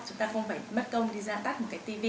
chúng ta không phải mất công đi ra tắt một cái tv